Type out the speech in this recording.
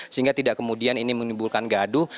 sehingga tidak kemudian ini menimbulkan gaduh